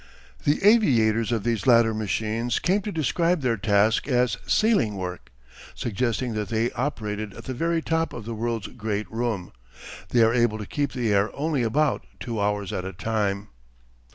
The aviators of these latter machines came to describe their task as "ceiling work," suggesting that they operated at the very top of the world's great room. They are able to keep the air only about two hours at a time.